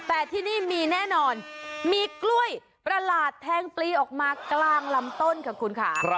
แต่ที่นี่มีแน่นอนมีกล้วยประหลาดแทงปลีออกมากลางลำต้นค่ะคุณค่ะ